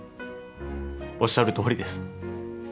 おっしゃるとおりです。